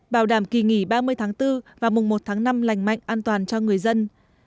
bảo đảm kỳ nghỉ ba mươi tháng bốn và mùng một tháng năm lành mạnh an toàn cho người dân